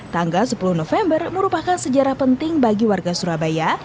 tanggal sepuluh november merupakan sejarah penting bagi warga surabaya